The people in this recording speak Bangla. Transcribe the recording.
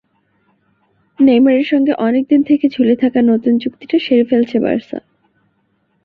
নেইমারের সঙ্গে অনেক দিন থেকে ঝুলে থাকা নতুন চুক্তিটা সেরে ফেলছে বার্সা।